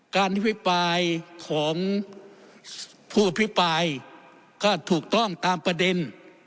อภิปรายของผู้อภิปรายก็ถูกต้องตามประเด็น